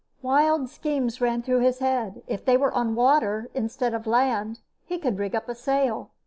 Wild schemes ran through his head. If they were on water, instead of land, he could rig up a sail.